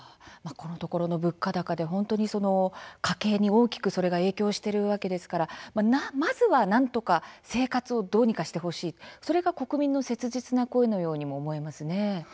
このところの物価高で本当に、家計に大きくそれが影響しているわけですからまずはなんとか生活をどうにかしてほしいそれが国民の切実な声のようにも思えますね。